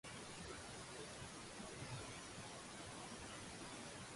人皆生而自由